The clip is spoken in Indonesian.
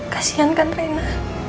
kasian kan rena